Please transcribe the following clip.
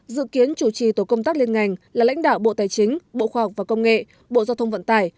dự kiến chủ trì tổ công tác liên ngành là lãnh đạo bộ tài chính bộ khoa học và công nghệ bộ giao thông vận tải